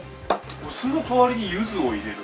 お酢の代わりにゆずを入れる？